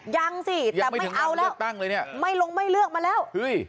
ยังสิแต่ไม่เอาแล้วไม่ลงไม่เลือกมาแล้ว